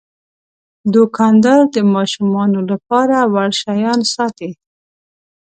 دوکاندار د ماشومانو لپاره وړ شیان ساتي.